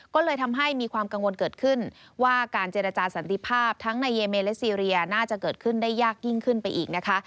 ก็เลยทำให้มีความกังวลเกิดขึ้นว่าการเจรจาสันติภาพทั้งในเยเมและซีเรียน่าจะเกิดขึ้นได้ยากยิ่งขึ้นไปอีกนะคะ